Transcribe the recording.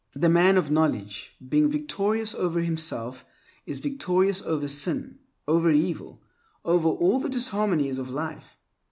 The man of knowledge, being victorious over himself, is victorious over sin, over evil, over all the disharmonies of life.